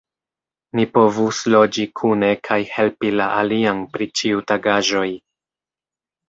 Ni povus loĝi kune kaj helpi la alian pri ĉiutagaĵoj.